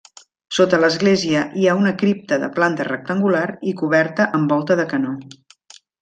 Sota l'església hi ha una cripta de planta rectangular i coberta amb volta de canó.